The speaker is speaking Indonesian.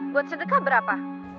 buat sedekah berapa